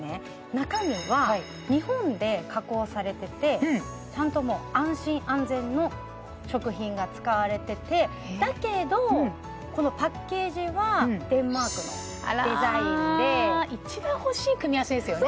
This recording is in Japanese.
中身は日本で加工されててちゃんと安心・安全の食品が使われててだけどこのパッケージはデンマークのデザインであら一番欲しい組み合わせですよね